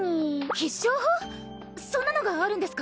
そんなのがあるんですか？